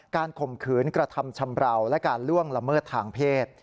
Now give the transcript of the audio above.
ข่มขืนกระทำชำราวและการล่วงละเมิดทางเพศ